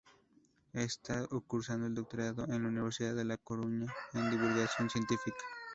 Está cursando el doctorado en la Universidad de la Coruña en divulgación científica.